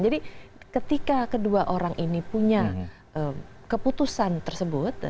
jadi ketika kedua orang ini punya keputusan tersebut